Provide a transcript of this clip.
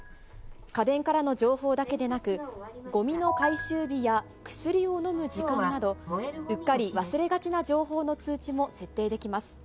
家電からの情報だけでなく、ごみの回収日や薬を飲む時間など、うっかり忘れがちな情報の通知も設定できます。